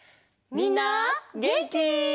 みんなげんき？